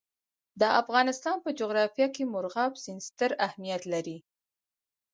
د افغانستان په جغرافیه کې مورغاب سیند ستر اهمیت لري.